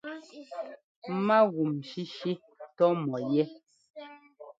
Mágúm shíshí tɔ́ mɔ yɛ́.